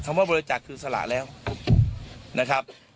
ว่าบริจาคคือสละแล้วนะครับ